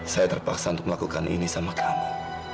saya terpaksa untuk melakukan ini sama kami